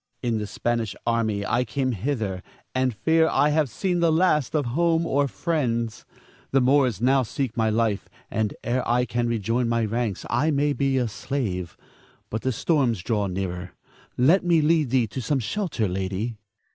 In the Spanish army I came hither, and fear I have seen the last of home or friends. The Moors now seek my life, and ere I can rejoin my ranks, I may be a slave. But the storm draws nearer. Let me lead thee to some shelter, lady.